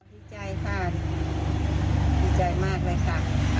ฮิ้วใจค่ะฮิ้วใจมากเลยค่ะ